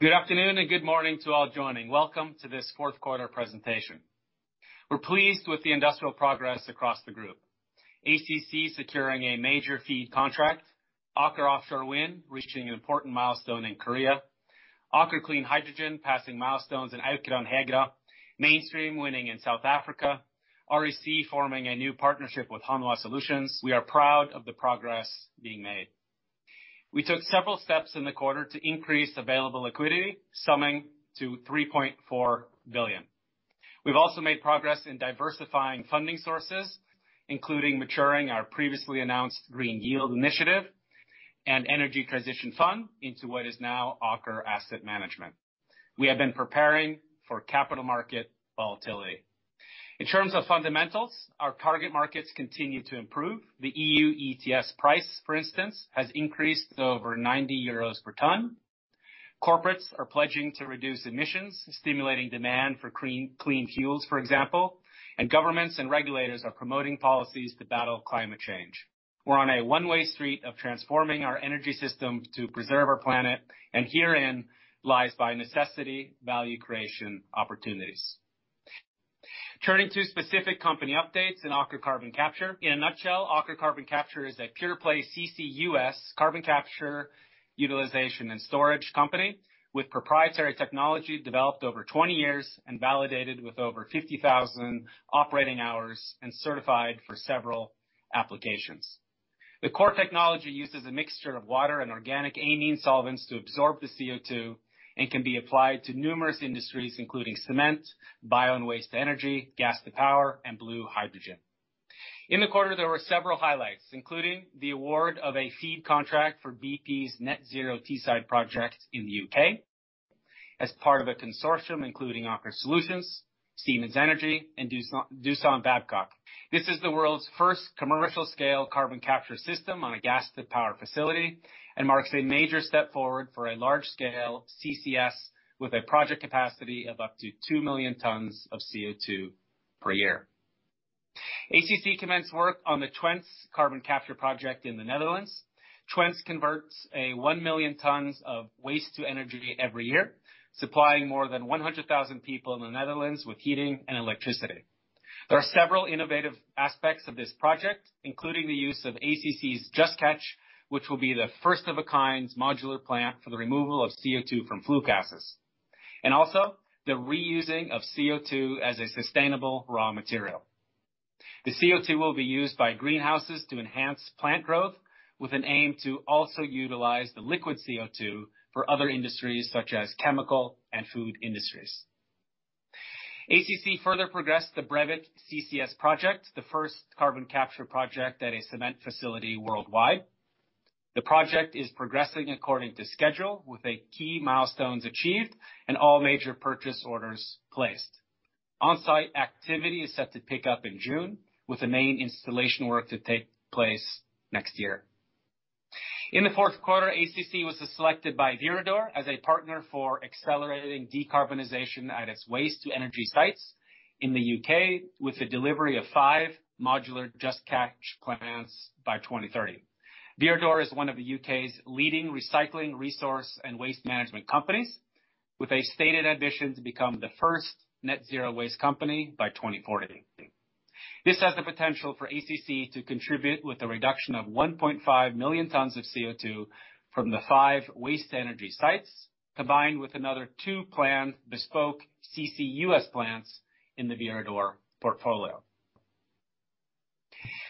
Good afternoon, and good morning to all joining. Welcome to this fourth quarter presentation. We're pleased with the industrial progress across the group. ACC securing a major FEED contract. Aker Offshore Wind reaching an important milestone in Korea. Aker Clean Hydrogen passing milestones in Aukra and Hegra. Mainstream winning in South Africa. REC forming a new partnership with Hanwha Solutions. We are proud of the progress being made. We took several steps in the quarter to increase available liquidity, summing to 3.4 billion. We've also made progress in diversifying funding sources, including maturing our previously announced Green Yield Initiative and Energy Transition Fund into what is now Aker Asset Management. We have been preparing for capital market volatility. In terms of fundamentals, our target markets continue to improve. The EU ETS price, for instance, has increased to over 90 euros per ton. Corporates are pledging to reduce emissions, stimulating demand for clean fuels, for example, and governments and regulators are promoting policies to battle climate change. We're on a one-way street of transforming our energy system to preserve our planet, and herein lies by necessity, value creation opportunities. Turning to specific company updates in Aker Carbon Capture. In a nutshell, Aker Carbon Capture is a pure play CCUS, carbon capture utilization and storage company with proprietary technology developed over 20 years and validated with over 50,000 operating hours and certified for several applications. The core technology uses a mixture of water and organic amine solvents to absorb the CO2 and can be applied to numerous industries, including cement, bio and waste-to-energy, gas to power, and blue hydrogen. In the quarter, there were several highlights, including the award of a FEED contract for BP's Net Zero Teesside project in the U.K. as part of a consortium including Aker Solutions, Siemens Energy, and Doosan Babcock. This is the world's first commercial scale carbon capture system on a gas to power facility and marks a major step forward for a large scale CCS with a project capacity of up to 2 million tons of CO2 per year. ACC commenced work on the Twence carbon capture project in the Netherlands. Twence converts 1 million tons of waste to energy every year, supplying more than 100,000 people in the Netherlands with heating and electricity. There are several innovative aspects of this project, including the use of ACC's Just Catch, which will be the first of a kind modular plant for the removal of CO2 from flue gases, and also the reusing of CO2 as a sustainable raw material. The CO2 will be used by greenhouses to enhance plant growth with an aim to also utilize the liquid CO2 for other industries such as chemical and food industries. ACC further progressed the Brevik CCS project, the first carbon capture project at a cement facility worldwide. The project is progressing according to schedule, with the key milestones achieved and all major purchase orders placed. On-site activity is set to pick up in June with the main installation work to take place next year. In the fourth quarter, ACC was selected by Viridor as a partner for accelerating decarbonization at its waste-to-energy sites in the U.K., with the delivery of five modular JustCatch plants by 2030. Viridor is one of the U.K.'s leading recycling resource and waste management companies, with a stated ambition to become the first net zero waste company by 2040. This has the potential for ACC to contribute with the reduction of 1.5 million tons of CO2 from the five waste energy sites, combined with another two planned bespoke CCUS plants in the Viridor portfolio.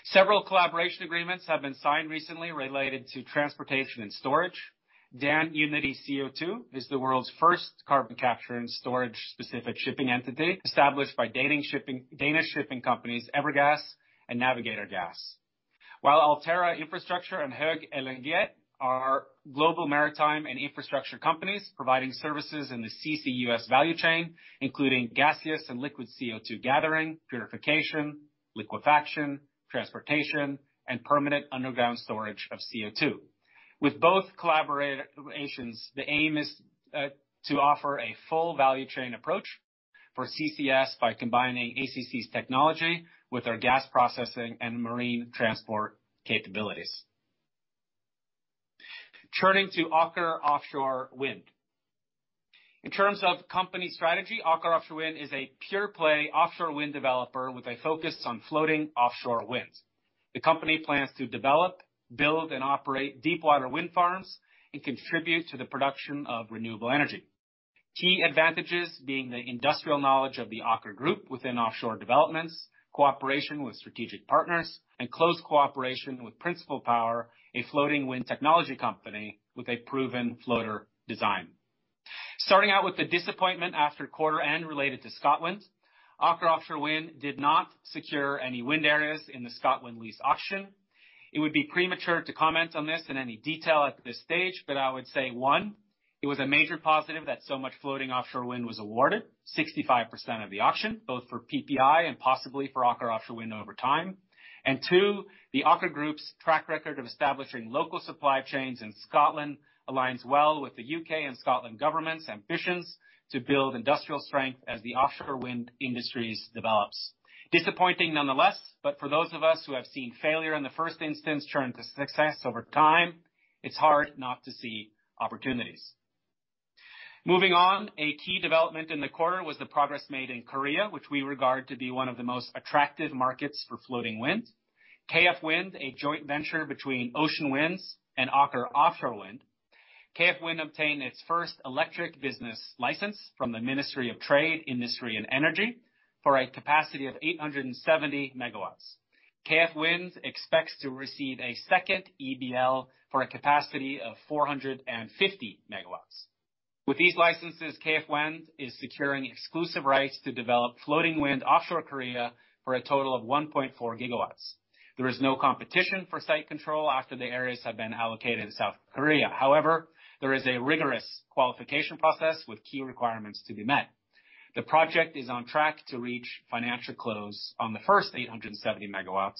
Several collaboration agreements have been signed recently related to transportation and storage. Dan-Unity CO2 is the world's first carbon capture and storage-specific shipping entity established by Danish shipping companies Evergas and Navigator Gas. While Altera Infrastructure and Höegh LNG are global maritime and infrastructure companies providing services in the CCUS value chain, including gaseous and liquid CO2 gathering, purification, liquefaction, transportation, and permanent underground storage of CO2. With both collaborations, the aim is to offer a full value chain approach for CCS by combining ACC's technology with our gas processing and marine transport capabilities. Turning to Aker Offshore Wind. In terms of company strategy, Aker Offshore Wind is a pure play offshore wind developer with a focus on floating offshore wind. The company plans to develop, build, and operate deepwater wind farms and contribute to the production of renewable energy. Key advantages being the industrial knowledge of the Aker group within offshore developments, cooperation with strategic partners, and close cooperation with Principle Power, a floating wind technology company with a proven floater design. Starting out with the disappointment after quarter end related to Scotland, Aker Offshore Wind did not secure any wind areas in the Scotland lease auction. It would be premature to comment on this in any detail at this stage, but I would say, one, it was a major positive that so much floating offshore wind was awarded, 65% of the auction, both for PPI and possibly for Aker Offshore Wind over time. Two, the Aker Group's track record of establishing local supply chains in Scotland aligns well with the UK and Scottish governments' ambitions to build industrial strength as the offshore wind industry develops. Disappointing nonetheless, but for those of us who have seen failure in the first instance turn to success over time, it's hard not to see opportunities. Moving on. A key development in the quarter was the progress made in Korea, which we regard to be one of the most attractive markets for floating wind. KF Wind, a joint venture between Ocean Winds and Aker Offshore Wind, obtained its first electric business license from the Ministry of Trade, Industry, and Energy for a capacity of 870 MW. KF Wind expects to receive a second EBL for a capacity of 450 MW. With these licenses, KF Wind is securing exclusive rights to develop floating wind offshore Korea for a total of 1.4 GW. There is no competition for site control after the areas have been allocated in South Korea. However, there is a rigorous qualification process with key requirements to be met. The project is on track to reach financial close on the first 870 MW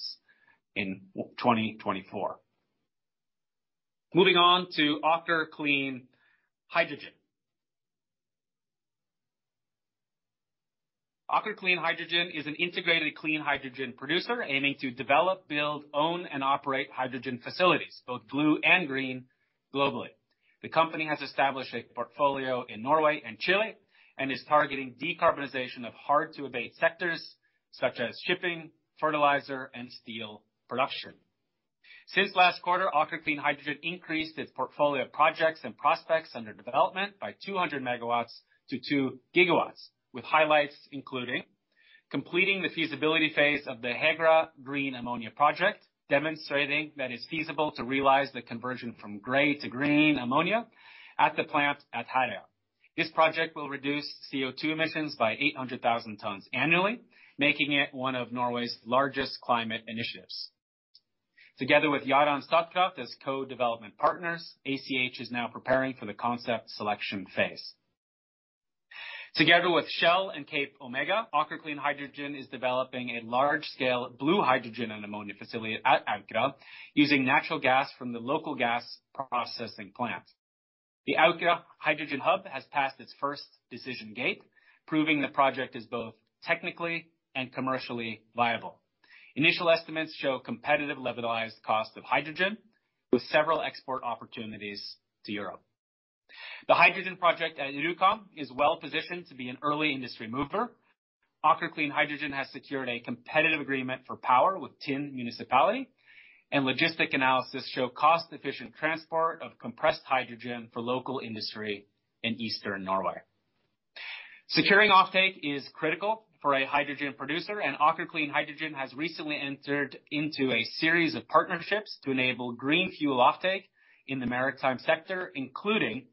in 2024. Moving on to Aker Clean Hydrogen. Aker Clean Hydrogen is an integrated clean hydrogen producer aiming to develop, build, own, and operate hydrogen facilities, both blue and green globally. The company has established a portfolio in Norway and Chile, and is targeting decarbonization of hard-to-abate sectors such as shipping, fertilizer, and steel production. Since last quarter, Aker Clean Hydrogen increased its portfolio of projects and prospects under development by 200 MW to 2 GW, with highlights including completing the feasibility phase of the HEGRA Green Ammonia Project, demonstrating that it's feasible to realize the conversion from gray to green ammonia at the plant at Herøya. This project will reduce CO2 emissions by 800,000 tons annually, making it one of Norway's largest climate initiatives. Together with Yara and Statkraft as co-development partners, ACH is now preparing for the concept selection phase. Together with Shell and CapeOmega, Aker Clean Hydrogen is developing a large-scale blue hydrogen and ammonia facility at Aukra, using natural gas from the local gas processing plant. The Aukra Hydrogen Hub has passed its first decision gate, proving the project is both technically and commercially viable. Initial estimates show competitive levelized cost of hydrogen, with several export opportunities to Europe. The hydrogen project at Rjukan is well-positioned to be an early industry mover. Aker Clean Hydrogen has secured a competitive agreement for power with Tinn Municipality, and logistic analysis show cost-efficient transport of compressed hydrogen for local industry in eastern Norway. Securing offtake is critical for a hydrogen producer, and Aker Clean Hydrogen has recently entered into a series of partnerships to enable green fuel offtake in the maritime sector, including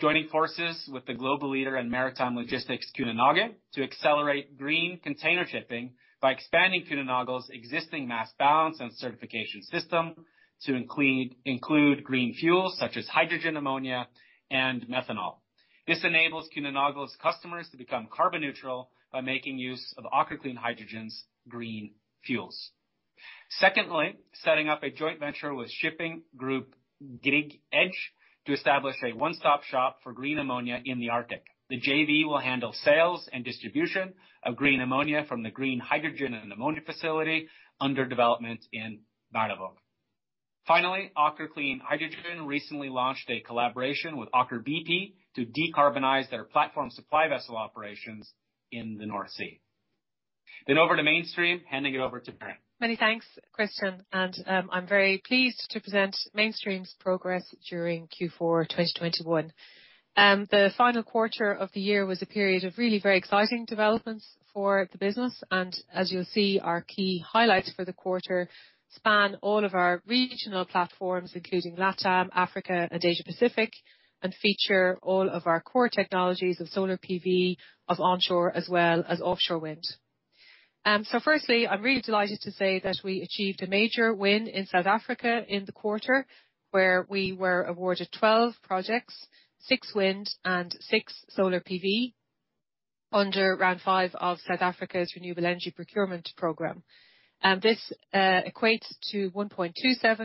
joining forces with the global leader in maritime logistics, Kühne+Nagel, to accelerate green container shipping by expanding Kühne+Nagel's existing mass balance and certification system to include green fuels such as hydrogen, ammonia, and methanol. This enables Kühne+Nagel's customers to become carbon neutral by making use of Aker Clean Hydrogen's green fuels. Secondly, setting up a joint venture with shipping group Grieg Edge to establish a one-stop shop for green ammonia in the Arctic. The JV will handle sales and distribution of green ammonia from the green hydrogen and ammonia facility under development in Bardufoss. Finally, Aker Clean Hydrogen recently launched a collaboration with Aker BP to decarbonize their platform supply vessel operations in the North Sea. Over to Mainstream, handing it over to Mary. Many thanks, Kristian, and I'm very pleased to present Mainstream's progress during Q4 2021. The final quarter of the year was a period of really very exciting developments for the business, and as you'll see, our key highlights for the quarter span all of our regional platforms, including Latam, Africa, and Asia Pacific, and feature all of our core technologies of solar PV, of onshore, as well as offshore wind. Firstly, I'm really delighted to say that we achieved a major win in South Africa in the quarter, where we were awarded 12 projects, 6 wind and 6 solar PV, under round 5 of South Africa's Renewable Energy Procurement program. This equates to 1.27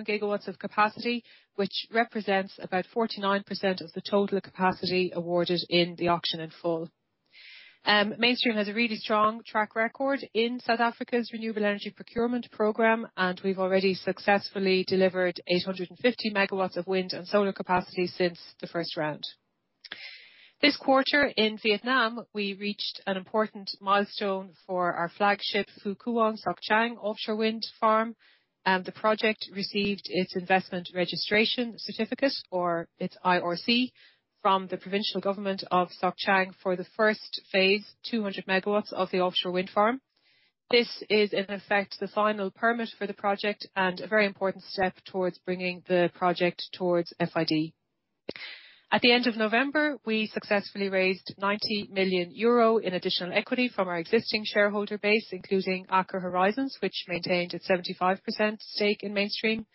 GW of capacity, which represents about 49% of the total capacity awarded in the auction in full. Mainstream has a really strong track record in South Africa's Renewable Energy Procurement Program, and we've already successfully delivered 850 MW of wind and solar capacity since the first round. This quarter in Vietnam, we reached an important milestone for our flagship Phu Quoc Soc Trang offshore wind farm, and the project received its investment registration certificate, or its IRC, from the provincial government of Soc Trang for the phase I, 200 MW of the offshore wind farm. This is, in effect, the final permit for the project and a very important step towards bringing the project towards FID. At the end of November, we successfully raised 90 million euro in additional equity from our existing shareholder base, including Aker Horizons, which maintained its 75% stake in Mainstream.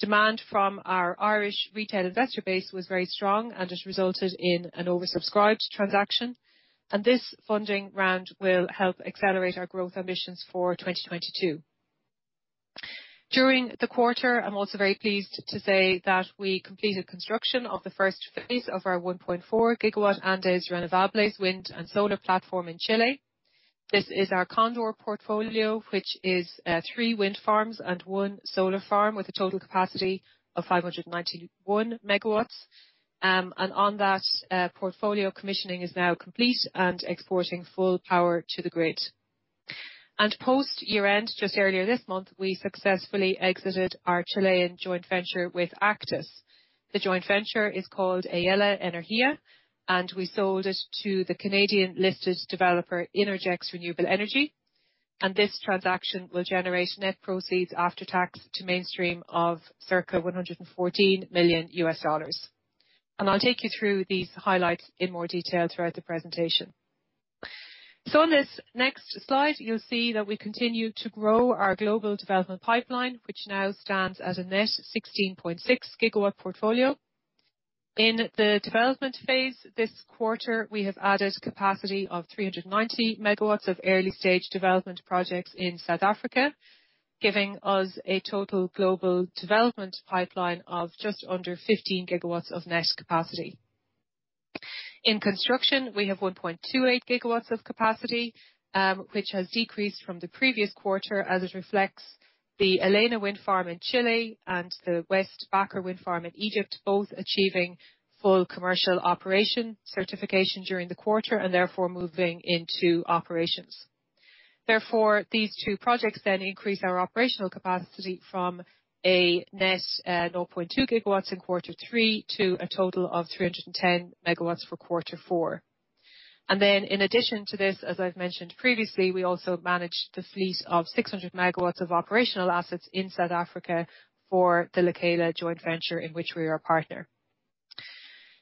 Demand from our Irish retail investor base was very strong, and it resulted in an oversubscribed transaction. This funding round will help accelerate our growth ambitions for 2022. During the quarter, I'm also very pleased to say that we completed construction of the first phase of our 1.4 GW Andes Renovables wind and solar platform in Chile. This is our Cóndor portfolio, which is three wind farms and one solar farm with a total capacity of 591 MW. On that portfolio, commissioning is now complete and exporting full power to the grid. Post year-end, just earlier this month, we successfully exited our Chilean joint venture with Actis. The joint venture is called Aela Energía, and we sold it to the Canadian-listed developer Innergex Renewable Energy. This transaction will generate net proceeds after tax to Mainstream of circa $114 million. I'll take you through these highlights in more detail throughout the presentation. On this next slide, you'll see that we continue to grow our global development pipeline, which now stands at a net 16.6 GW portfolio. In the development phase this quarter, we have added capacity of 390 MW of early stage development projects in South Africa, giving us a total global development pipeline of just under 15 GW of net capacity. In construction, we have 1.28 GW of capacity, which has decreased from the previous quarter as it reflects the Aela Wind Farm in Chile and the West Bakr Wind Farm in Egypt, both achieving full commercial operation certification during the quarter and therefore moving into operations. Therefore, these two projects increase our operational capacity from a net 0.2 GW in quarter three to a total of 310 MW for quarter four. In addition to this, as I've mentioned previously, we also manage the fleet of 600 MW of operational assets in South Africa for the Lekela joint venture in which we are a partner.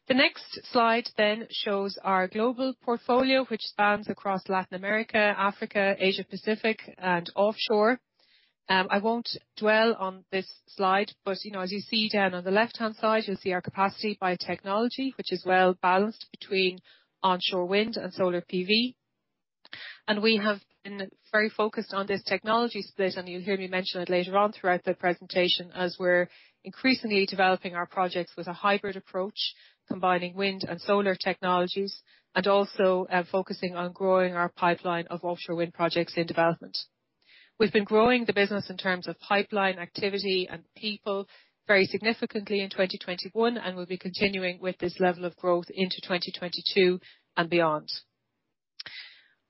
The next slide shows our global portfolio, which spans across Latin America, Africa, Asia-Pacific and offshore. I won't dwell on this slide, but you know, as you see down on the left-hand side, you'll see our capacity by technology, which is well balanced between onshore wind and solar PV. We have been very focused on this technology split, and you'll hear me mention it later on throughout the presentation as we're increasingly developing our projects with a hybrid approach, combining wind and solar technologies, and also focusing on growing our pipeline of offshore wind projects in development. We've been growing the business in terms of pipeline activity and people very significantly in 2021, and we'll be continuing with this level of growth into 2022 and beyond.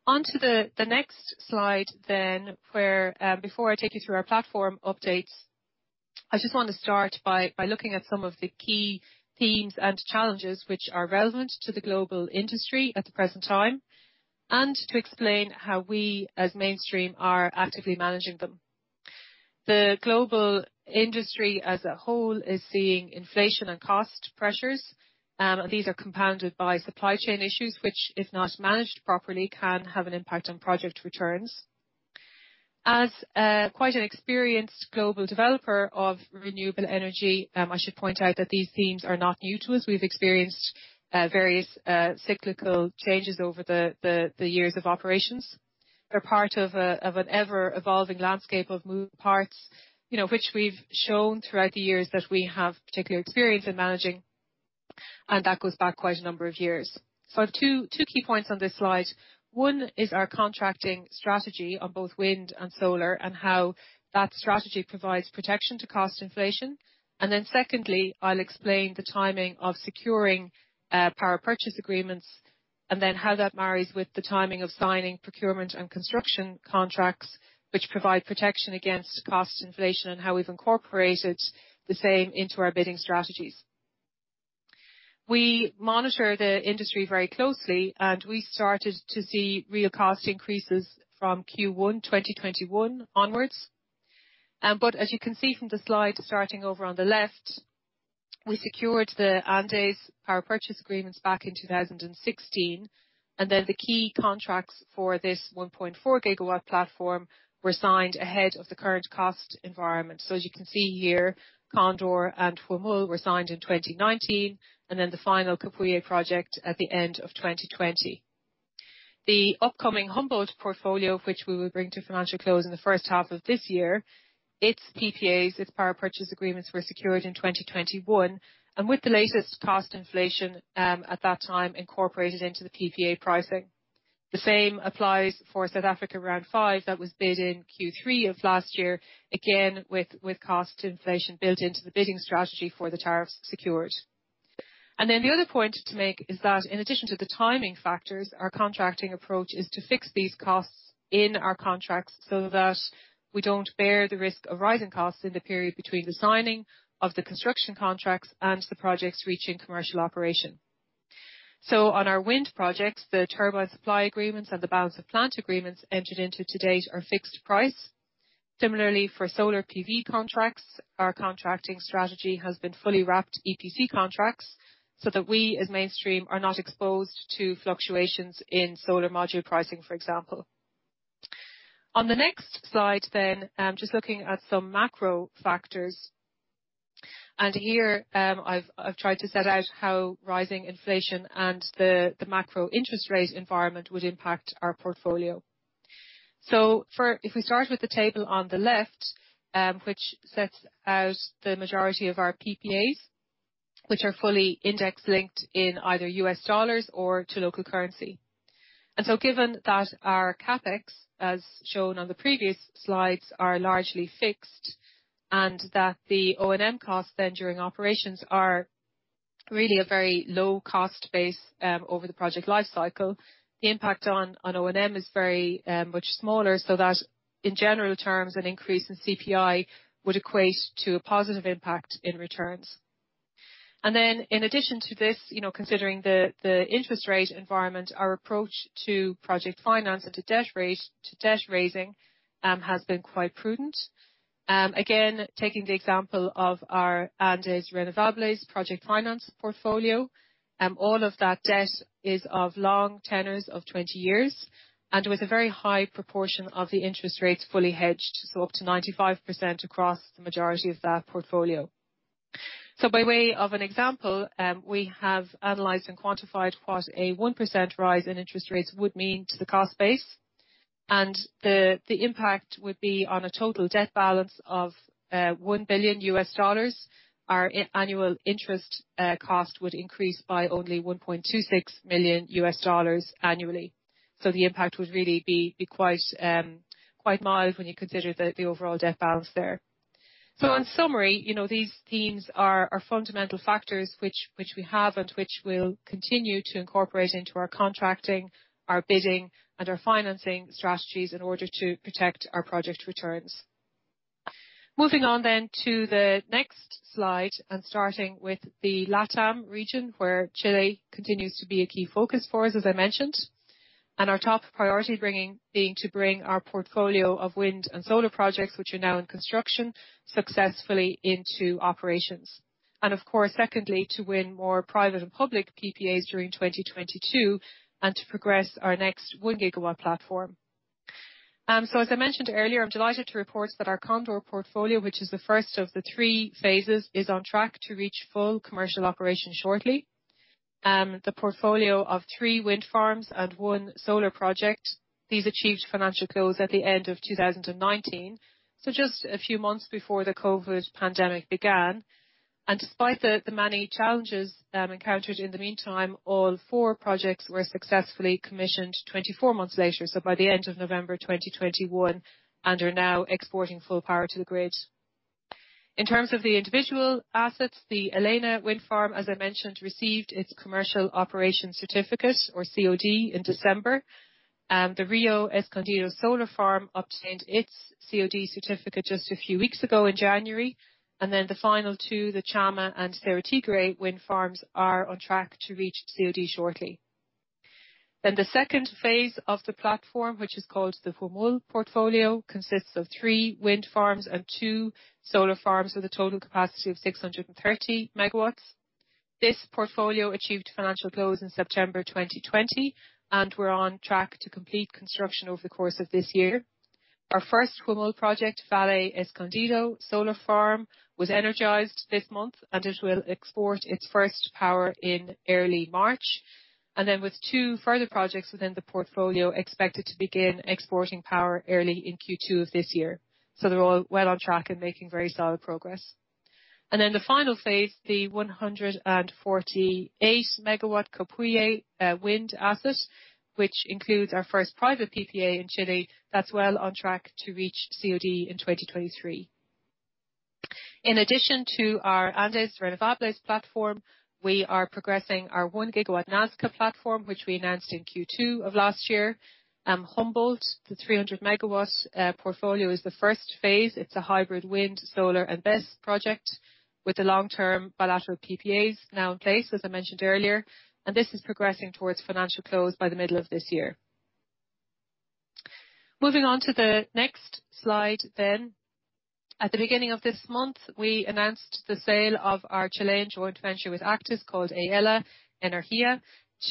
On to the next slide then, where before I take you through our platform updates, I just want to start by looking at some of the key themes and challenges which are relevant to the global industry at the present time, and to explain how we as Mainstream are actively managing them. The global industry as a whole is seeing inflation and cost pressures, and these are compounded by supply chain issues, which, if not managed properly, can have an impact on project returns. As quite an experienced global developer of renewable energy, I should point out that these themes are not new to us. We've experienced various cyclical changes over the years of operations. They're part of an ever-evolving landscape of moving parts, you know, which we've shown throughout the years that we have particular experience in managing, and that goes back quite a number of years. So I have two key points on this slide. One is our contracting strategy on both wind and solar, and how that strategy provides protection to cost inflation. Secondly, I'll explain the timing of securing power purchase agreements, and then how that marries with the timing of signing procurement and construction contracts, which provide protection against cost inflation, and how we've incorporated the same into our bidding strategies. We monitor the industry very closely, and we started to see real cost increases from Q1 2021 onwards. As you can see from the slide, starting over on the left, we secured the Andes power purchase agreements back in 2016, and then the key contracts for this 1.4 GW platform were signed ahead of the current cost environment. As you can see here, Cóndor and Huemul were signed in 2019, and then the final Copihue project at the end of 2020. The upcoming Humboldt portfolio, which we will bring to financial close in the first half of this year, its PPAs, its power purchase agreements, were secured in 2021, and with the latest cost inflation at that time, incorporated into the PPA pricing. The same applies for South Africa Round 5 that was bid in Q3 of last year, again with cost inflation built into the bidding strategy for the tariffs secured. The other point to make is that in addition to the timing factors, our contracting approach is to fix these costs in our contracts so that we don't bear the risk of rising costs in the period between the signing of the construction contracts and the projects reaching commercial operation. On our wind projects, the turbine supply agreements and the balance of plant agreements entered into to date are fixed price. Similarly, for solar PV contracts, our contracting strategy has been fully wrapped EPC contracts, so that we as Mainstream are not exposed to fluctuations in solar module pricing, for example. On the next slide then, just looking at some macro factors. Here, I've tried to set out how rising inflation and the macro interest rate environment would impact our portfolio. If we start with the table on the left, which sets out the majority of our PPAs which are fully index linked in either U.S. dollars or to local currency. Given that our CapEx, as shown on the previous slides, are largely fixed, and that the O&M costs then during operations are really a very low cost base, over the project life cycle, the impact on O&M is very much smaller, so that in general terms, an increase in CPI would equate to a positive impact in returns. In addition to this, you know, considering the interest rate environment, our approach to project finance and to debt raising has been quite prudent. Again, taking the example of our Andes Renovables project finance portfolio, all of that debt is of long tenors of 20 years, and with a very high proportion of the interest rates fully hedged, so up to 95% across the majority of that portfolio. By way of an example, we have analyzed and quantified what a 1% rise in interest rates would mean to the cost base, and the impact would be on a total debt balance of $1 billion. Our annual interest cost would increase by only $1.26 million annually. The impact would really be quite mild when you consider the overall debt balance there. In summary, you know, these themes are fundamental factors which we have and which we'll continue to incorporate into our contracting, our bidding, and our financing strategies in order to protect our project returns. Moving on then to the next slide, and starting with the LatAm region, where Chile continues to be a key focus for us, as I mentioned. Our top priority is to bring our portfolio of wind and solar projects, which are now in construction, successfully into operations. Of course, secondly, to win more private and public PPAs during 2022 and to progress our next 1 GW platform. As I mentioned earlier, I'm delighted to report that our Cóndor portfolio, which is the first of the three phases, is on track to reach full commercial operation shortly. The portfolio of 3 wind farms and 1 solar project, these achieved financial close at the end of 2019. Just a few months before the COVID pandemic began. Despite the many challenges encountered in the meantime, all four projects were successfully commissioned 24 months later, by the end of November 2021, and are now exporting full power to the grid. In terms of the individual assets, the Alena Wind Farm, as I mentioned, received its Commercial Operation Certificate, or COD, in December. The Río Escondido solar farm obtained its COD certificate just a few weeks ago in January. The final two, the Tchamma and Cerro Tigre wind farms, are on track to reach COD shortly. The second phase of the platform, which is called the Huemul portfolio, consists of three wind farms and two solar farms with a total capacity of 630 MW. This portfolio achieved financial close in September 2020, and we're on track to complete construction over the course of this year. Our first Huemul project, Valle Escondido solar farm, was energized this month, and it will export its first power in early March. With two further projects within the portfolio expected to begin exporting power early in Q2 of this year. They're all well on track and making very solid progress. The final phase, the 148 MW Copihue wind asset, which includes our first private PPA in Chile, that's well on track to reach COD in 2023. In addition to our Andes Renovables platform, we are progressing our 1 GW Nazca platform, which we announced in Q2 of last year. Humboldt, the 300 MW portfolio, is the phase I. It's a hybrid wind, solar, and BESS project with the long-term bilateral PPAs now in place, as I mentioned earlier. This is progressing towards financial close by the middle of this year. Moving on to the next slide then. At the beginning of this month, we announced the sale of our Chilean joint venture with Actis, called Aela Energía,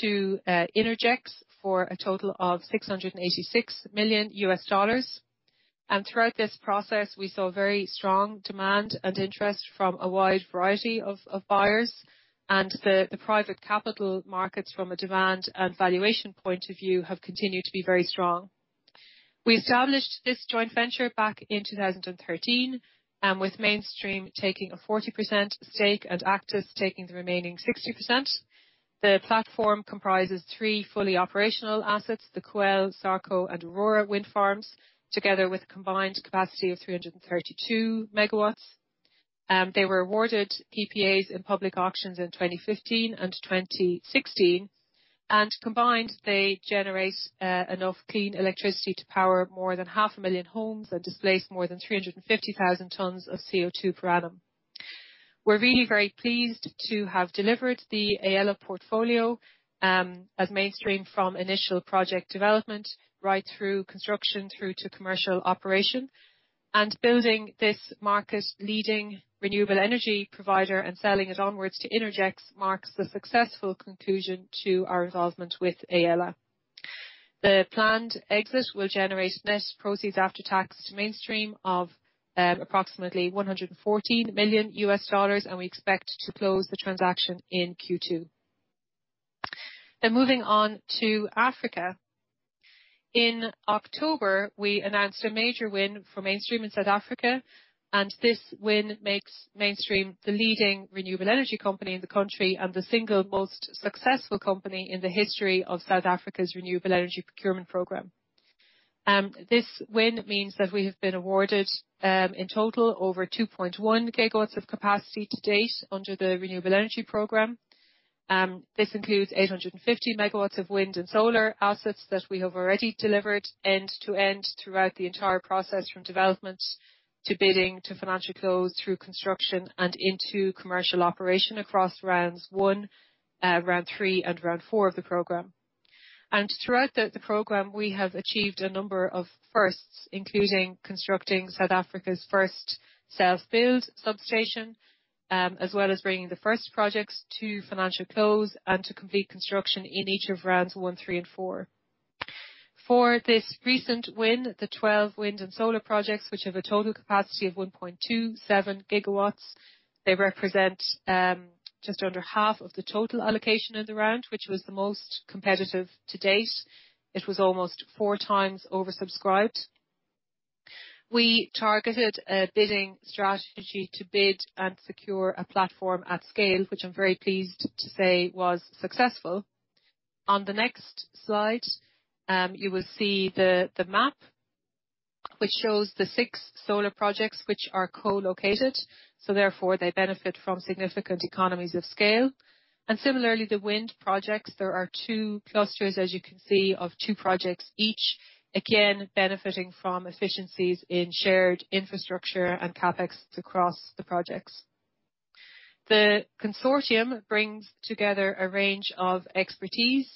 to Innergex for a total of $686 million. Throughout this process, we saw very strong demand and interest from a wide variety of buyers. The private capital markets, from a demand and valuation point of view, have continued to be very strong. We established this joint venture back in 2013 with Mainstream taking a 40% stake and Actis taking the remaining 60%. The platform comprises three fully operational assets, the Cuel, Sarco, and Aurora wind farms, together with a combined capacity of 332 MW. They were awarded PPAs in public auctions in 2015 and 2016. Combined, they generate enough clean electricity to power more than 500,000 homes and displace more than 350,000 tons of CO2 per annum. We're really very pleased to have delivered the Aela portfolio as Mainstream from initial project development right through construction through to commercial operation. Building this market-leading renewable energy provider and selling it onwards to Innergex marks the successful conclusion to our involvement with Aela. The planned exit will generate net proceeds after tax to Mainstream of approximately $114 million, and we expect to close the transaction in Q2. Moving on to Africa. In October, we announced a major win for Mainstream in South Africa, and this win makes Mainstream the leading renewable energy company in the country and the single most successful company in the history of South Africa's Renewable Energy Procurement Program. This win means that we have been awarded, in total, over 2.1 GW of capacity to date under the Renewable Energy Program. This includes 850 MW of wind and solar assets that we have already delivered end-to-end throughout the entire process, from development to bidding to financial close, through construction and into commercial operation across rounds 1, round 3 and round 4 of the program. Throughout the program, we have achieved a number of firsts, including constructing South Africa's first self-build substation, as well as bringing the first projects to financial close and to complete construction in each of rounds 1, 3 and 4. For this recent win, the 12 wind and solar projects, which have a total capacity of 1.27 GW, they represent just under half of the total allocation of the round, which was the most competitive to date. It was almost 4x oversubscribed. We targeted a bidding strategy to bid and secure a platform at scale, which I'm very pleased to say was successful. On the next slide, you will see the map which shows the 6 solar projects which are co-located, so therefore they benefit from significant economies of scale. Similarly, the wind projects, there are two clusters, as you can see, of two projects each, again, benefiting from efficiencies in shared infrastructure and CapEx across the projects. The consortium brings together a range of expertise,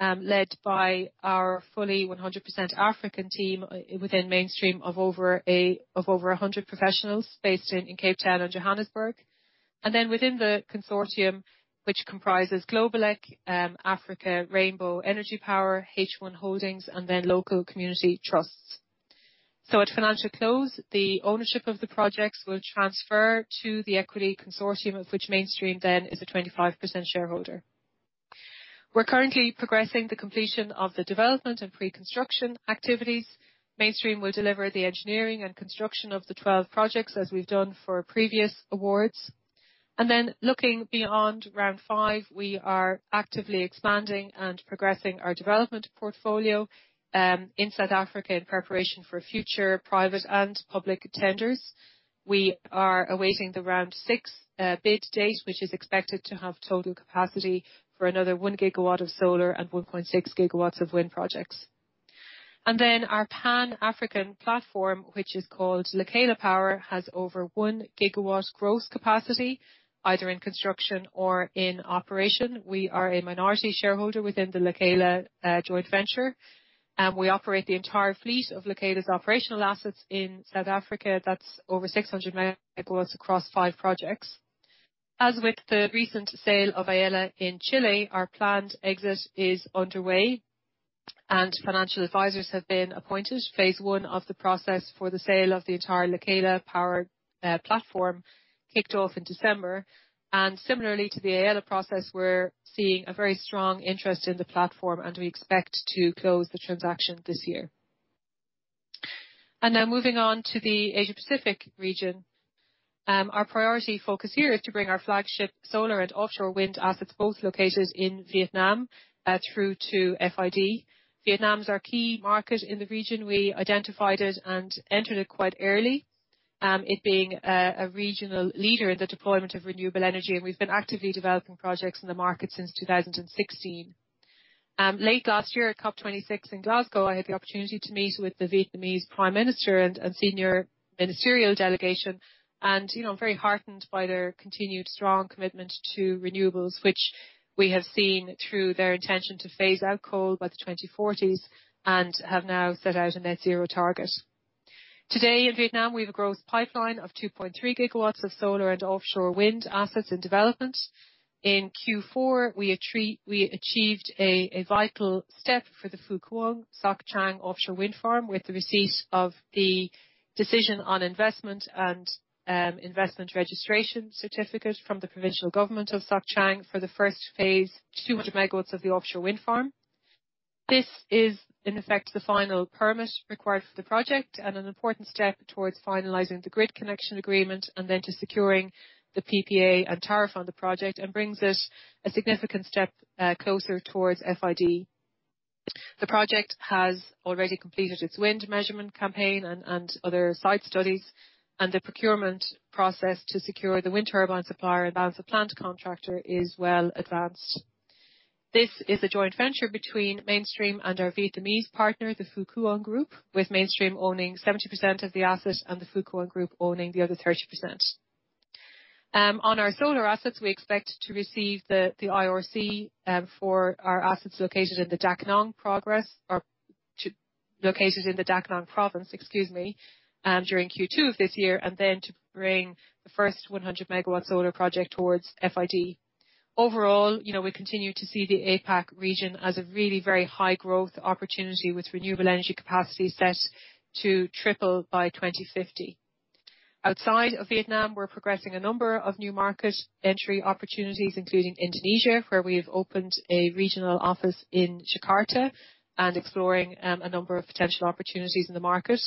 led by our fully 100% African team within Mainstream of over 100 professionals based in Cape Town and Johannesburg. Within the consortium, which comprises Globeleq, African Rainbow Energy and Power, H1 Holdings, and local community trusts. At financial close, the ownership of the projects will transfer to the equity consortium, of which Mainstream is a 25% shareholder. We're currently progressing the completion of the development and pre-construction activities. Mainstream will deliver the engineering and construction of the 12 projects as we've done for previous awards. Looking beyond round 5, we are actively expanding and progressing our development portfolio in South Africa in preparation for future private and public tenders. We are awaiting the round 6 bid date, which is expected to have total capacity for another 1 GW of solar and 1.6 GW of wind projects. Our Pan-African platform, which is called Lekela Power, has over 1 GW gross capacity, either in construction or in operation. We are a minority shareholder within the Lekela joint venture, and we operate the entire fleet of Lekela's operational assets in South Africa. That's over 600 MW across five projects. As with the recent sale of Aela in Chile, our planned exit is underway and financial advisors have been appointed. Phase I of the process for the sale of the entire Lekela Power platform kicked off in December. Similarly to the Aela process, we're seeing a very strong interest in the platform, and we expect to close the transaction this year. Now moving on to the Asia-Pacific region. Our priority focus here is to bring our flagship solar and offshore wind assets, both located in Vietnam, through to FID. Vietnam's our key market in the region. We identified it and entered it quite early. It being a regional leader in the deployment of renewable energy, and we've been actively developing projects in the market since 2016. Late last year at COP26 in Glasgow, I had the opportunity to meet with the Vietnamese Prime Minister and senior ministerial delegation. You know, I'm very heartened by their continued strong commitment to renewables, which we have seen through their intention to phase out coal by the 2040s and have now set out a net zero target. Today in Vietnam, we have a growth pipeline of 2.3 GW of solar and offshore wind assets in development. In Q4, we achieved a vital step for the Phu Quoc Soc Trang offshore wind farm with the receipt of the decision on investment and investment registration certificate from the provincial government of Soc Trang for the first phase, 200 MW of the offshore wind farm. This is, in effect, the final permit required for the project and an important step towards finalizing the grid connection agreement and then to securing the PPA and tariff on the project, and brings us a significant step closer towards FID. The project has already completed its wind measurement campaign and other site studies, and the procurement process to secure the wind turbine supplier and other plant contractor is well advanced. This is a joint venture between Mainstream and our Vietnamese partner, the Phu Quoc Group, with Mainstream owning 70% of the assets and the Phu Quoc Group owning the other 30%. On our solar assets, we expect to receive the IRC for our assets located in the Dak Nong province during Q2 of this year, and then to bring the first 100 MW solar project towards FID. Overall, you know, we continue to see the APAC region as a really very high growth opportunity with renewable energy capacity set to triple by 2050. Outside of Vietnam, we're progressing a number of new market entry opportunities, including Indonesia, where we have opened a regional office in Jakarta and exploring a number of potential opportunities in the market.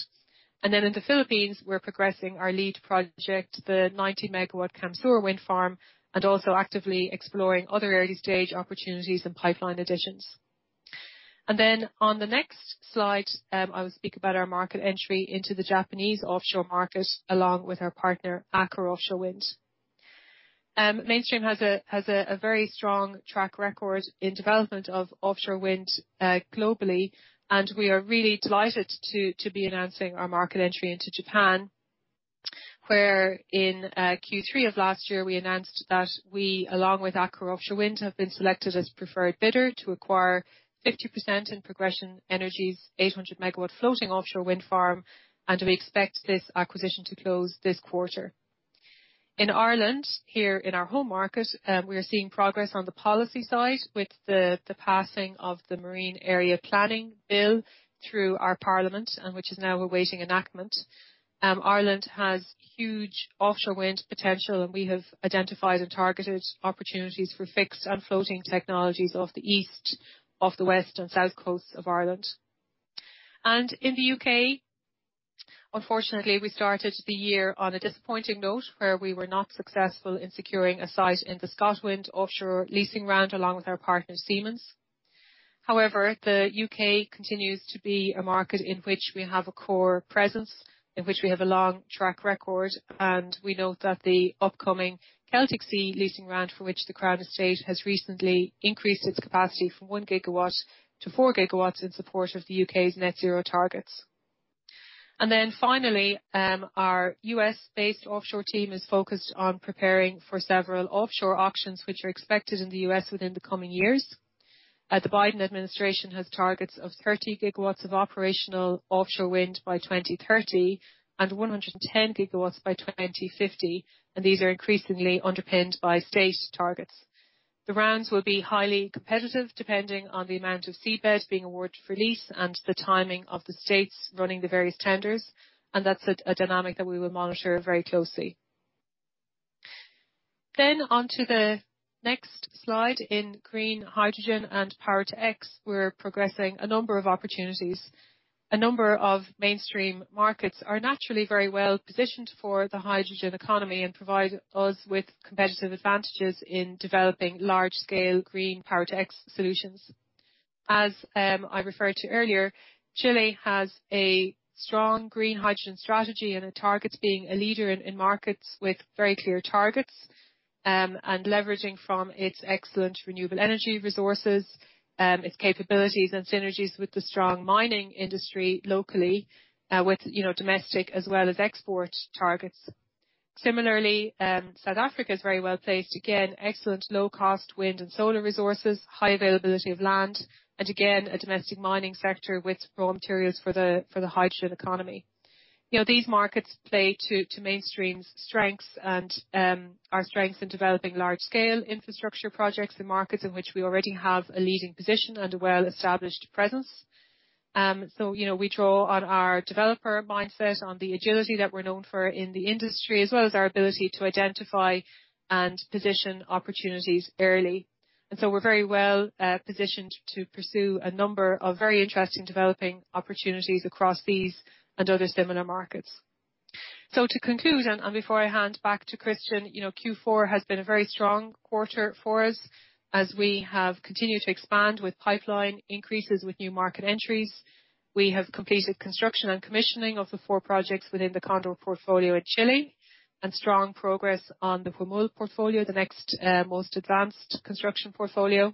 In the Philippines, we're progressing our lead project, the 90 MW Camarines Sur Wind Farm, and also actively exploring other early-stage opportunities and pipeline additions. On the next slide, I will speak about our market entry into the Japanese offshore market, along with our partner, Aker Offshore Wind. Mainstream has a very strong track record in development of offshore wind globally, and we are really delighted to be announcing our market entry into Japan, where in Q3 of last year, we announced that we along with Aker Offshore Wind have been selected as preferred bidder to acquire 50% in Progression Energy's 800 MW floating offshore wind farm, and we expect this acquisition to close this quarter. In Ireland, here in our home market, we are seeing progress on the policy side with the passing of the Marine Area Planning Bill through our parliament, which is now awaiting enactment. Ireland has huge offshore wind potential, and we have identified and targeted opportunities for fixed and floating technologies off the east, off the west and south coasts of Ireland. In the U.K., unfortunately, we started the year on a disappointing note, where we were not successful in securing a site in the ScotWind offshore leasing round along with our partner, Siemens. However, the U.K. continues to be a market in which we have a core presence, in which we have a long track record, and we note that the upcoming Celtic Sea leasing round, for which the Crown Estate has recently increased its capacity from 1 GW-4 GW in support of the U.K.'s net zero targets. Finally, our U.S. based offshore team is focused on preparing for several offshore auctions, which are expected in the U.S. within the coming years. The Biden administration has targets of 30 GW of operational offshore wind by 2030 and 110 GW by 2050, and these are increasingly underpinned by state targets. The rounds will be highly competitive, depending on the amount of seabed being awarded for lease and the timing of the states running the various tenders, and that's a dynamic that we will monitor very closely. Onto the next slide. In green hydrogen and Power-to-X, we're progressing a number of opportunities. A number of Mainstream markets are naturally very well-positioned for the hydrogen economy and provide us with competitive advantages in developing large-scale green Power-to-X solutions. As I referred to earlier, Chile has a strong green hydrogen strategy and it targets being a leader in markets with very clear targets and leveraging from its excellent renewable energy resources, its capabilities and synergies with the strong mining industry locally, with you know, domestic as well as export targets. Similarly, South Africa is very well-placed. Again, excellent low-cost wind and solar resources, high availability of land, and a domestic mining sector with raw materials for the hydrogen economy. You know, these markets play to Mainstream's strengths and our strengths in developing large-scale infrastructure projects in markets in which we already have a leading position and a well-established presence. So you know, we draw on our developer mindset, on the agility that we're known for in the industry, as well as our ability to identify and position opportunities early. We're very well positioned to pursue a number of very interesting developing opportunities across these and other similar markets. To conclude, before I hand back to Kristian, you know, Q4 has been a very strong quarter for us as we have continued to expand with pipeline increases with new market entries. We have completed construction and commissioning of the four projects within the Cóndor portfolio in Chile, and strong progress on the Huemul portfolio, the next most advanced construction portfolio.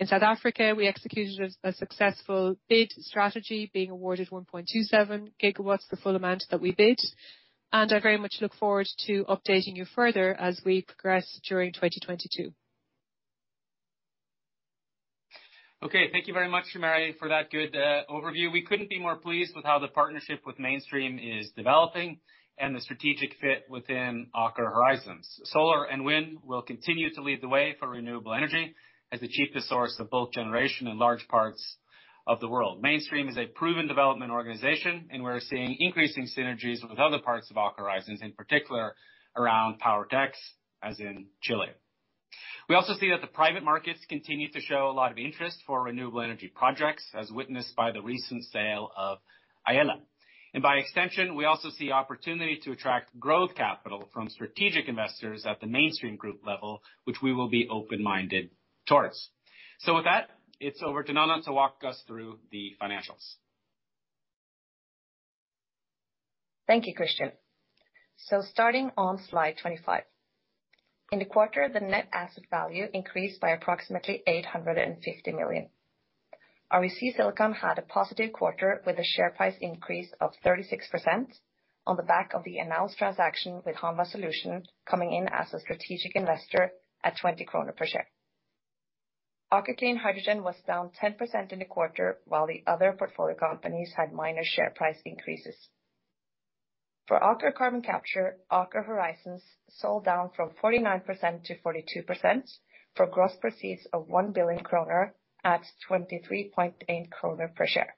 In South Africa, we executed a successful bid strategy, being awarded 1.27 GW, the full amount that we bid. I very much look forward to updating you further as we progress during 2022. Okay, thank you very much, Mary, for that good overview. We couldn't be more pleased with how the partnership with Mainstream is developing and the strategic fit within Aker Horizons. Solar and wind will continue to lead the way for renewable energy as the cheapest source of bulk generation in large parts of the world. Mainstream is a proven development organization, and we're seeing increasing synergies with other parts of Aker Horizons, in particular around Power-to-X, as in Chile. We also see that the private markets continue to show a lot of interest for renewable energy projects, as witnessed by the recent sale of Aela. And by extension, we also see opportunity to attract growth capital from strategic investors at the Mainstream group level, which we will be open-minded towards. With that, it's over to Nanna to walk us through the financials. Thank you, Kristian. Starting on slide 25. In the quarter, the net asset value increased by approximately 850 million. REC Silicon had a positive quarter with a share price increase of 36% on the back of the announced transaction with Hanwha Solutions coming in as a strategic investor at 20 krone per share. Aker Carbon Capture, Aker Horizons sold down from 49%-42% for gross proceeds of 1 billion kroner at 23.8 kroner per share.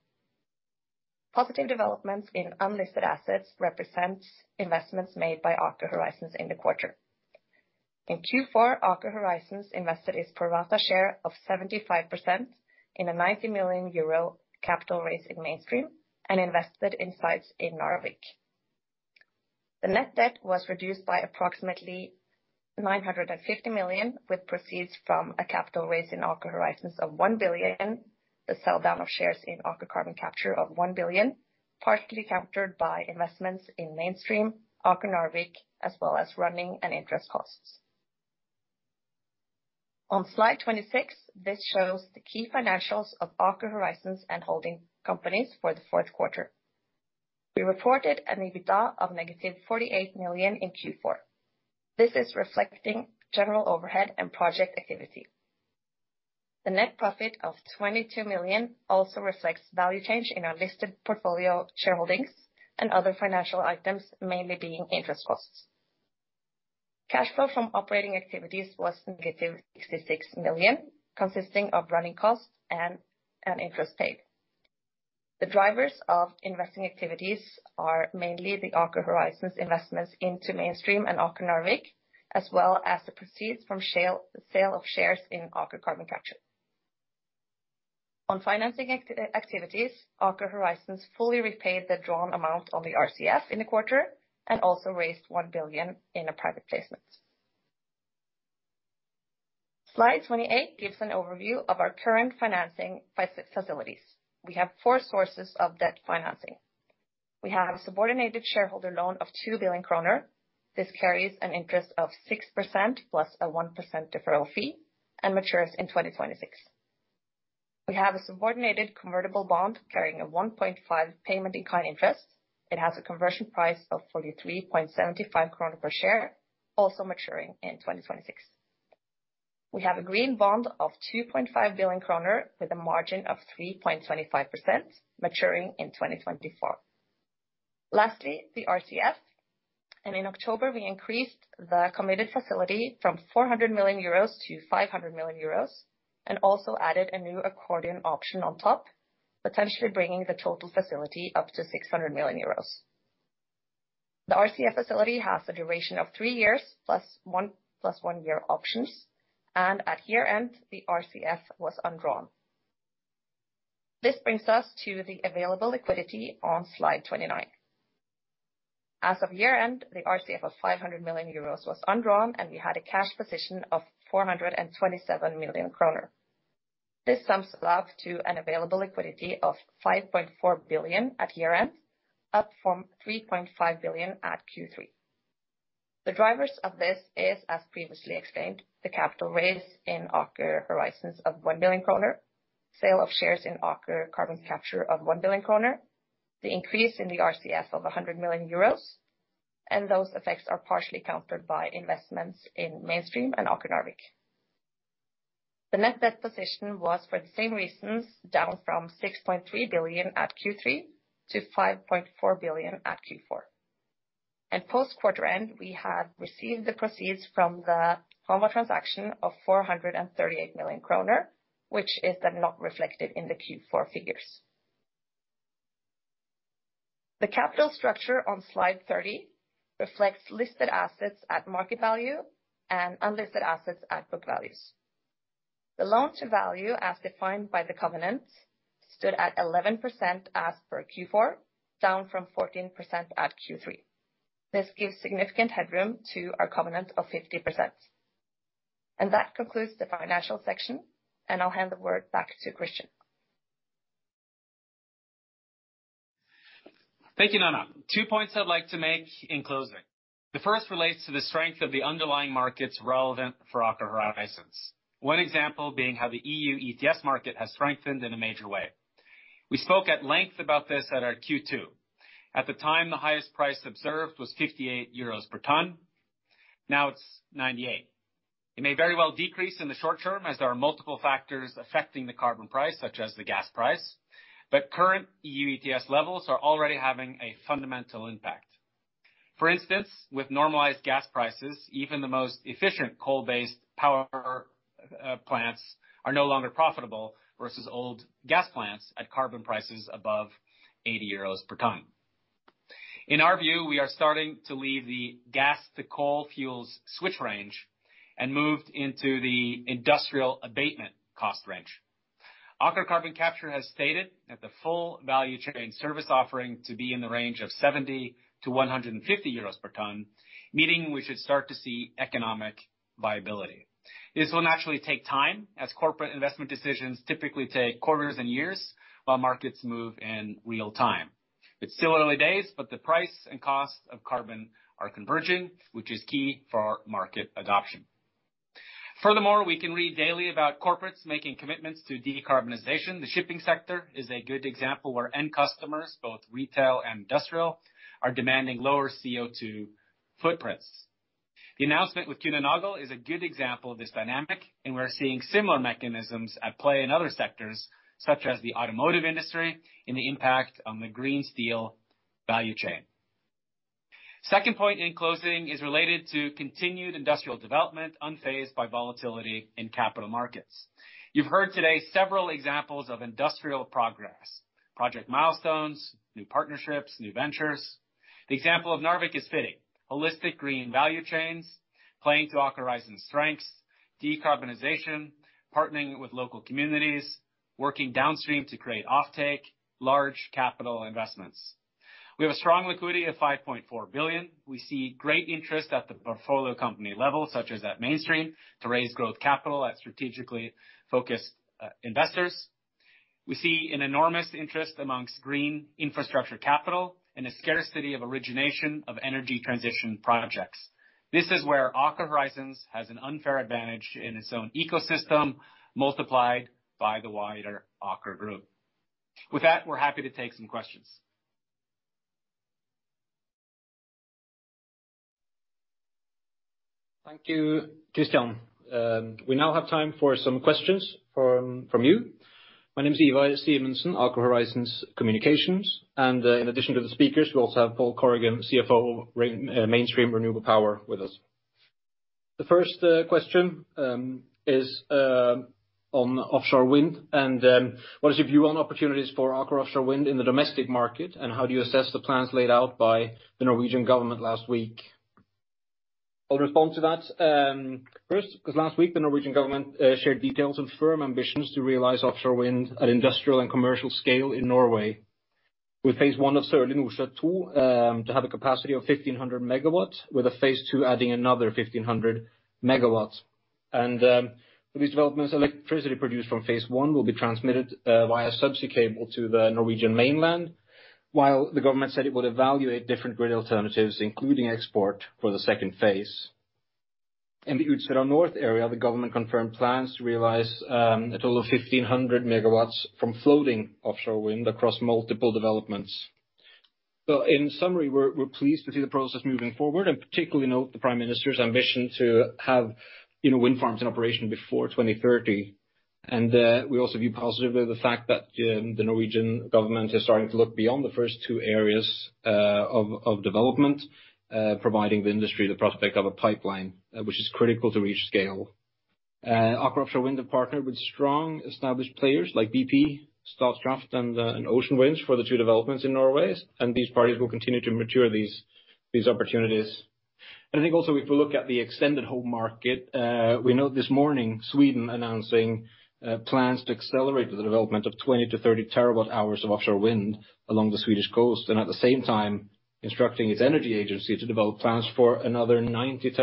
Positive developments in unlisted assets represents investments made by Aker Horizons in the quarter. In Q4, Aker Horizons invested its pro-rata share of 75% in a 90 million euro capital raise in Mainstream and invested in sites in Narvik. The net debt was reduced by approximately 950 million, with proceeds from a capital raise in Aker Horizons of 1 billion, the sell-down of shares in Aker Carbon Capture of 1 billion, partly countered by investments in Mainstream, Aker Narvik, as well as running and interest costs. On slide 26, this shows the key financials of Aker Horizons and holding companies for the fourth quarter. We reported an EBITDA of -48 million in Q4. This is reflecting general overhead and project activity. The net profit of 22 million also reflects value change in our listed portfolio shareholdings and other financial items, mainly being interest costs. Cash flow from operating activities was -66 million, consisting of running costs and interest paid. The drivers of investing activities are mainly the Aker Horizons investments into Mainstream and Aker Narvik, as well as the proceeds from the sale of shares in Aker Carbon Capture. On financing activities, Aker Horizons fully repaid the drawn amount on the RCF in the quarter and also raised 1 billion in a private placement. Slide 28 gives an overview of our current financing facilities. We have four sources of debt financing. We have a subordinated shareholder loan of 2 billion kroner. This carries an interest of 6% plus a 1% deferral fee and matures in 2026. We have a subordinated convertible bond carrying a 1.5 payment-in-kind interest. It has a conversion price of 43.75 kroner per share, also maturing in 2026. We have a green bond of 2.5 billion kroner with a margin of 3.25% maturing in 2024. Lastly, the RCF. In October, we increased the committed facility from 400 million-500 million euros and also added a new accordion option on top, potentially bringing the total facility up to 600 million euros. The RCF facility has a duration of three years plus one, plus one-year options, and at year-end, the RCF was undrawn. This brings us to the available liquidity on slide 29. As of year-end, the RCF of 500 million euros was undrawn, and we had a cash position of 427 million kroner. This sums up to an available liquidity of 5.4 billion at year-end, up from 3.5 billion at Q3. The drivers of this is, as previously explained, the capital raise in Aker Horizons of 1 billion kroner, sale of shares in Aker Carbon Capture of 1 billion kroner, the increase in the RCF of 100 million euros, and those effects are partially countered by investments in Mainstream and Aker Narvik. The net debt position was, for the same reasons, down from 6.3 billion at Q3 to 5.4 billion at Q4. At post quarter end, we have received the proceeds from the former transaction of 438 million kroner, which is then not reflected in the Q4 figures. The capital structure on slide 30 reflects listed assets at market value and unlisted assets at book values. The loan-to-value, as defined by the covenants, stood at 11% as per Q4, down from 14% at Q3. This gives significant headroom to our covenant of 50%. That concludes the financial section, and I'll hand the word back to Kristian. Thank you, Nanna. Two points I'd like to make in closing. The first relates to the strength of the underlying markets relevant for Aker Horizons. One example being how the EU ETS market has strengthened in a major way. We spoke at length about this at our Q2. At the time, the highest price observed was 58 euros per ton. Now it's 98. It may very well decrease in the short term as there are multiple factors affecting the carbon price, such as the gas price, but current EU ETS levels are already having a fundamental impact. For instance, with normalized gas prices, even the most efficient coal-based power plants are no longer profitable versus old gas plants at carbon prices above 80 euros per ton. In our view, we are starting to leave the gas to coal fuels switch range and moved into the industrial abatement cost range. Aker Carbon Capture has stated that the full value chain service offering to be in the range of 70- 150 euros per ton, meaning we should start to see economic viability. This will naturally take time, as corporate investment decisions typically take quarters and years, while markets move in real time. It's still early days, but the price and cost of carbon are converging, which is key for market adoption. Furthermore, we can read daily about corporates making commitments to decarbonization. The shipping sector is a good example where end customers, both retail and industrial, are demanding lower CO2 footprints. The announcement with Kühne+Nagel is a good example of this dynamic, and we're seeing similar mechanisms at play in other sectors, such as the automotive industry and the impact on the green steel value chain. Second point in closing is related to continued industrial development unfazed by volatility in capital markets. You've heard today several examples of industrial progress, project milestones, new partnerships, new ventures. The example of Narvik is fitting. Holistic green value chains, playing to Aker Horizons's strengths, decarbonization, partnering with local communities, working downstream to create offtake, large capital investments. We have a strong liquidity of 5.4 billion. We see great interest at the portfolio company level, such as at Mainstream, to raise growth capital at strategically focused investors. We see an enormous interest amongst green infrastructure capital and a scarcity of origination of energy transition projects. This is where Aker Horizons has an unfair advantage in its own ecosystem, multiplied by the wider Aker group. With that, we're happy to take some questions. Thank you, Kristian. We now have time for some questions from you. My name is Ivar Simensen, Aker Horizons Communications. In addition to the speakers, we also have Paul Corrigan, CFO, Mainstream Renewable Power with us. The first question is on offshore wind, and what is your view on opportunities for Aker Offshore Wind in the domestic market, and how do you assess the plans laid out by the Norwegian government last week? I'll respond to that. First, 'cause last week, the Norwegian government shared details and firm ambitions to realize offshore wind at industrial and commercial scale in Norway. With phase I of Sørlige Nordsjø II to have a capacity of 1,500 MW, with a phase II adding another 1,500 MW. For these developments, electricity produced from phase I will be transmitted via subsea cable to the Norwegian mainland, while the government said it would evaluate different grid alternatives, including export, for the phase II. In the Utsira North area, the government confirmed plans to realize a total of 1,500 MW from floating offshore wind across multiple developments. In summary, we're pleased to see the process moving forward, and particularly note the Prime Minister's ambition to have, you know, wind farms in operation before 2030. We also view positively the fact that the Norwegian government is starting to look beyond the first two areas of development, providing the industry the prospect of a pipeline which is critical to reach scale. Aker Offshore Wind have partnered with strong established players like BP, Statkraft, and Ocean Winds for the two developments in Norway, and these parties will continue to mature these opportunities. I think also if we look at the extended home market, we note this morning Sweden announcing plans to accelerate the development of 20-30 TWh of offshore wind along the Swedish coast, and at the same time instructing its energy agency to develop plans for another 90 TWh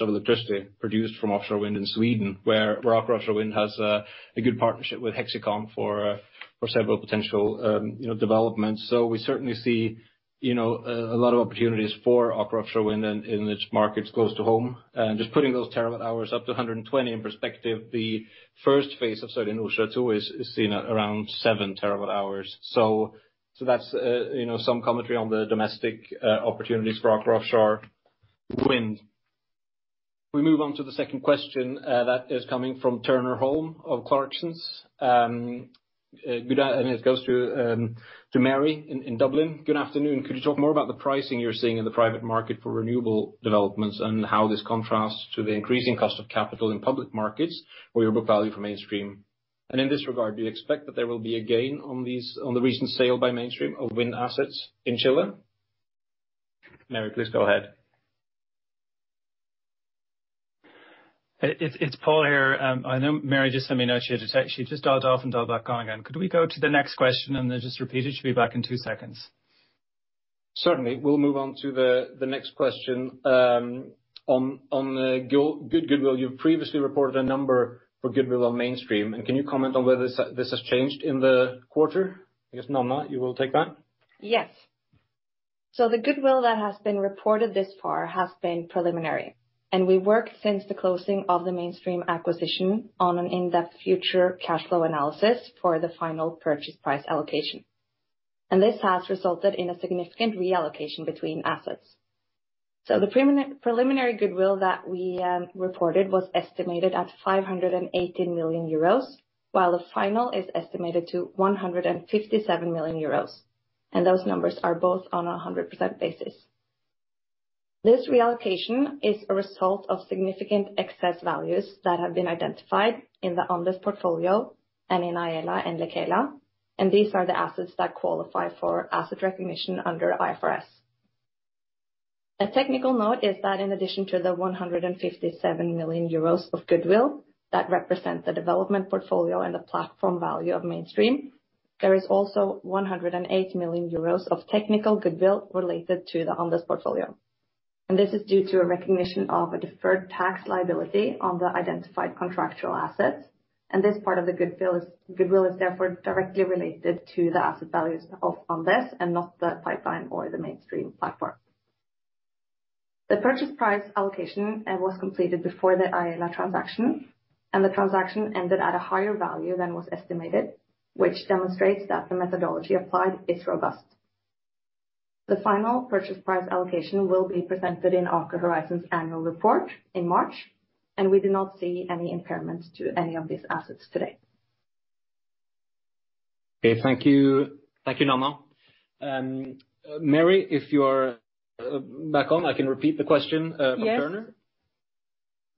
of electricity produced from offshore wind in Sweden, where Aker Offshore Wind has a good partnership with Hexicon for several potential, you know, developments. We certainly see, you know, a lot of opportunities for Aker Offshore Wind in its markets close to home. Just putting those terawatt-hours up to 120 in perspective, the first phase of Sørlige Nordsjø II is seen at around 7 TWh. That's, you know, some commentary on the domestic opportunities for Aker Offshore Wind. We move on to the second question that is coming from Turner Holm of Clarksons. It goes to Mary in Dublin. Good afternoon. Could you talk more about the pricing you're seeing in the private market for renewable developments and how this contrasts to the increasing cost of capital in public markets or your book value for Mainstream? And in this regard, do you expect that there will be a gain on the recent sale by Mainstream of wind assets in Chile? Mary, please go ahead. It's Paul here. I know Marie just let me know she just dialed off and dialed back on again. Could we go to the next question and then just repeat it? She'll be back in two seconds. Certainly. We'll move on to the next question on goodwill. You've previously reported a number for goodwill on Mainstream, and can you comment on whether this has changed in the quarter? I guess, Nanna, you will take that. Yes. The goodwill that has been reported this far has been preliminary, and we worked since the closing of the Mainstream acquisition on an in-depth future cash flow analysis for the final purchase price allocation. This has resulted in a significant reallocation between assets. The preliminary goodwill that we reported was estimated at 580 million euros, while the final is estimated at 157 million euros. Those numbers are both on a 100% basis. This reallocation is a result of significant excess values that have been identified in the Andes portfolio and in Aela and Lekela, and these are the assets that qualify for asset recognition under IFRS. A technical note is that in addition to the 157 million euros of goodwill that represent the development portfolio and the platform value of Mainstream, there is also 108 million euros of technical goodwill related to the Andes portfolio. This is due to a recognition of a deferred tax liability on the identified contractual assets. This part of the goodwill is therefore directly related to the asset values of Andes and not the pipeline or the Mainstream platform. The purchase price allocation was completed before the Aela transaction, and the transaction ended at a higher value than was estimated, which demonstrates that the methodology applied is robust. The final purchase price allocation will be presented in Aker Horizons' annual report in March, and we do not see any impairments to any of these assets today. Okay, thank you. Thank you, Nanna. Mary, if you're back on, I can repeat the question from Turner. Yes.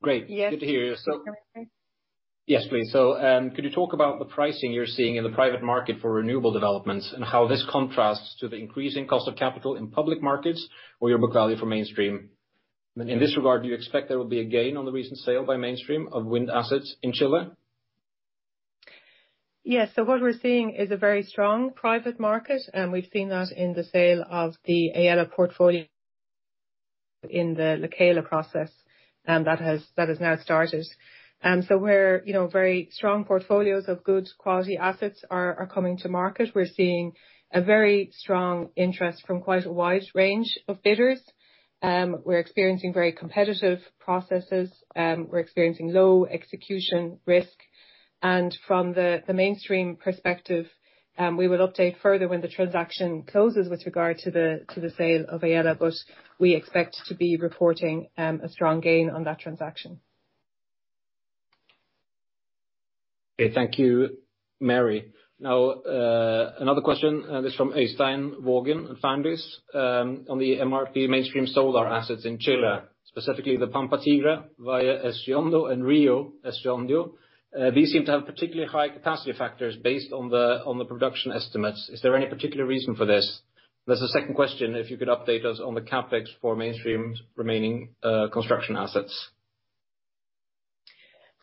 Great. Yes. Good to hear you. You can repeat. Yes, please. Could you talk about the pricing you're seeing in the private market for renewable developments, and how this contrasts to the increasing cost of capital in public markets or your book value for Mainstream? In this regard, do you expect there will be a gain on the recent sale by Mainstream of wind assets in Chile? Yes. What we're seeing is a very strong private market, and we've seen that in the sale of the Aela portfolio in the Lekela process that has now started. You know, very strong portfolios of good quality assets are coming to market. We're seeing a very strong interest from quite a wide range of bidders. We're experiencing very competitive processes. We're experiencing low execution risk. From the Mainstream perspective, we will update further when the transaction closes with regard to the sale of Aela, but we expect to be reporting a strong gain on that transaction. Okay, thank you, Mary. Now, another question is from Espen Wogen at Fondsfinans. On the MRP Mainstream solar assets in Chile, specifically the Pampa Tigre, Valle Escondido and Río Escondido, these seem to have particularly high capacity factors based on the production estimates. Is there any particular reason for this? There's a second question, if you could update us on the CapEx for Mainstream's remaining construction assets.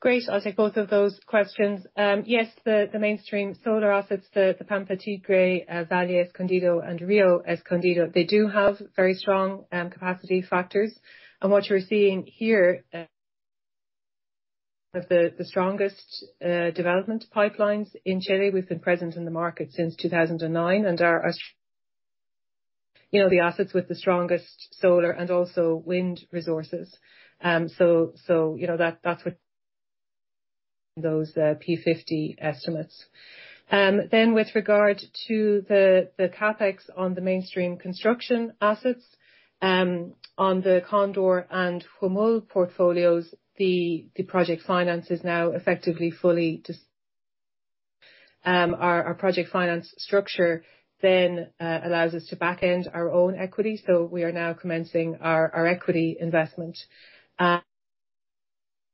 Great. I'll take both of those questions. Yes, the Mainstream solar assets, the Pampa Tigre, Valle Escondido and Rio Escondido, they do have very strong capacity factors. What you're seeing here, one of the strongest development pipelines in Chile, we've been present in the market since 2009, and are, you know, the assets with the strongest solar and also wind resources. You know, that's what those P50 estimates. With regard to the CapEx on the Mainstream construction assets, on the Cóndor and Huemul portfolios. Our project finance structure then allows us to back end our own equity, so we are now commencing our equity investment.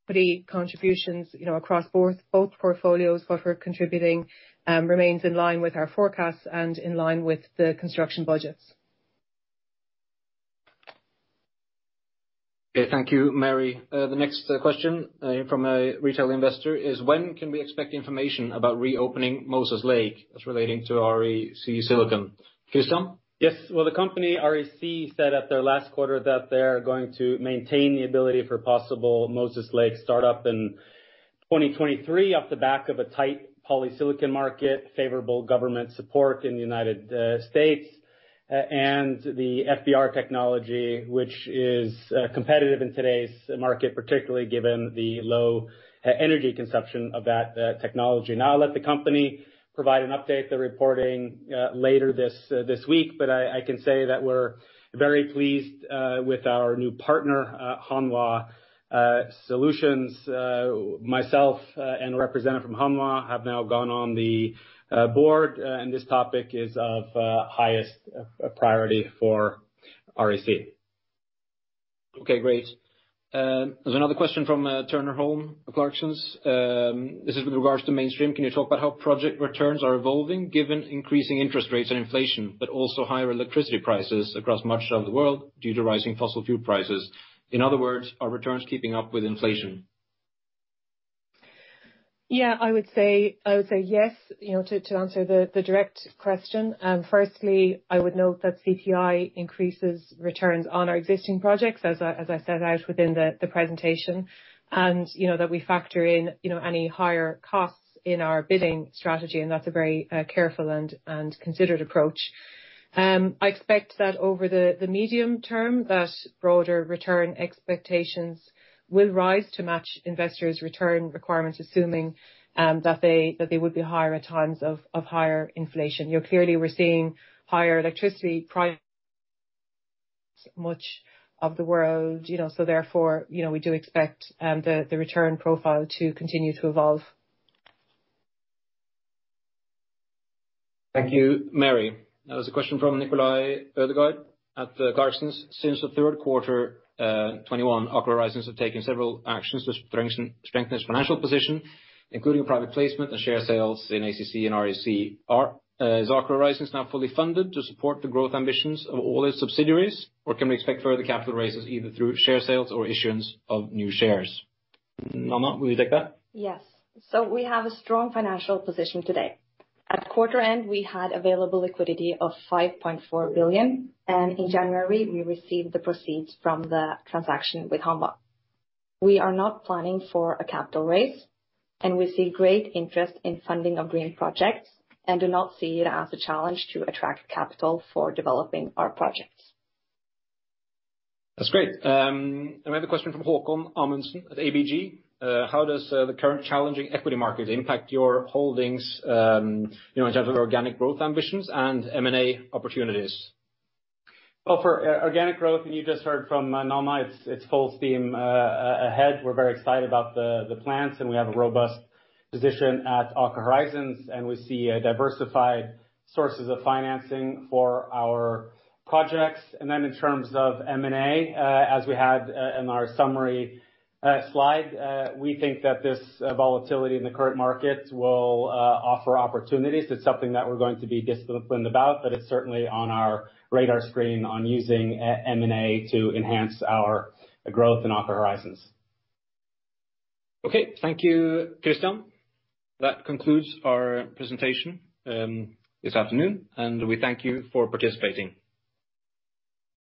Equity contributions, you know, across both portfolios. What we're contributing remains in line with our forecasts and in line with the construction budgets. Okay, thank you, Mary. The next question from a retail investor is, when can we expect information about reopening Moses Lake as relating to REC Silicon? Kristian? Yes. Well, the company REC said at their last quarter that they're going to maintain the ability for possible Moses Lake start up in 2023 off the back of a tight polysilicon market, favorable government support in the United States, and the FBR technology, which is competitive in today's market, particularly given the low energy consumption of that technology. Now, I'll let the company provide an update. They're reporting later this week, but I can say that we're very pleased with our new partner, Hanwha Solutions. Myself and a representative from Hanwha have now gone on the board, and this topic is of highest priority for REC. Okay, great. There's another question from Turner Holm, Clarksons. This is with regards to Mainstream. Can you talk about how project returns are evolving given increasing interest rates and inflation, but also higher electricity prices across much of the world due to rising fossil fuel prices? In other words, are returns keeping up with inflation? Yeah. I would say yes, you know, to answer the direct question. Firstly, I would note that CTI increases returns on our existing projects, as I set out within the presentation, and, you know, that we factor in, you know, any higher costs in our bidding strategy, and that's a very careful and considered approach. I expect that over the medium term, that broader return expectations will rise to match investors' return requirements, assuming that they would be higher at times of higher inflation. You know, clearly we're seeing higher electricity prices much of the world, you know, so therefore, you know, we do expect the return profile to continue to evolve. Thank you, Mary. Now there's a question from Nikolai Ødegård at Clarksons. Since the third quarter 2021, Aker Horizons have taken several actions to strengthen its financial position, including private placement and share sales in ACC and REC. Is Aker Horizons now fully funded to support the growth ambitions of all its subsidiaries, or can we expect further capital raises either through share sales or issuance of new shares? Nanna, will you take that? Yes. We have a strong financial position today. At quarter end, we had available liquidity of 5.4 billion, and in January we received the proceeds from the transaction with Hanwha. We are not planning for a capital raise, and we see great interest in funding of green projects, and do not see it as a challenge to attract capital for developing our projects. That's great. We have a question from Håkon Amundsen at ABG. How does the current challenging equity market impact your holdings, you know, in terms of organic growth ambitions and M&A opportunities? Well, for organic growth, and you just heard from Nanna, it's full steam ahead. We're very excited about the plans, and we have a robust position at Aker Horizons, and we see diversified sources of financing for our projects. In terms of M&A, as we had in our summary slide, we think that this volatility in the current market will offer opportunities. It's something that we're going to be disciplined about, but it's certainly on our radar screen on using M&A to enhance our growth in Aker Horizons. Okay. Thank you, Kristian. That concludes our presentation, this afternoon, and we thank you for participating.